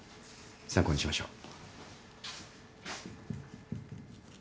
参考にしましょう。